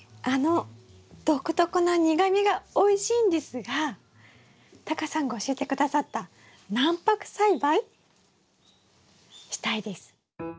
あの独特な苦みがおいしいんですがタカさんが教えて下さった軟白栽培？したいです。